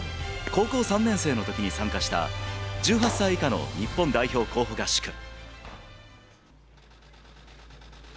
高校３年生のときに参加した１８歳以下の日本代表候補合宿。